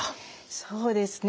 そうですね。